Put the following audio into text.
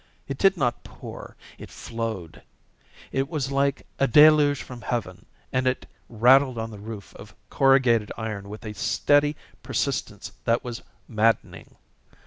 It did not pour, it flowed. It was like a deluge from heaven, and it rattled on the roof of corrugated iron with a steady persistence that was maddening.